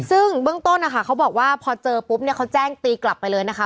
ซึ่งเบื้องต้นนะคะเขาบอกว่าพอเจอปุ๊บเนี่ยเขาแจ้งตีกลับไปเลยนะคะ